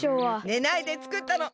ねないでつくったの。